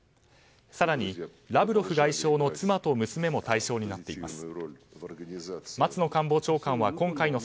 更に、ラブロフ外相の妻と娘も対象になっています。